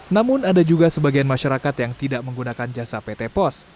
namun ada juga sebagian masyarakat yang tidak menggunakan jasa pt pos